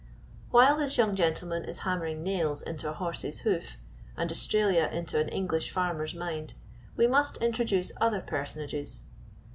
While this young gentleman is hammering nails into a horse's hoof, and Australia into an English farmer's mind, we must introduce other personages.